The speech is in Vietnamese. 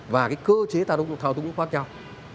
và cái cơ chế thao túng nó cũng khác nhau